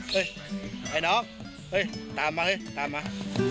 เฮ้ยไอ้น้องเฮ้ยตามมาเฮ้ยตามมา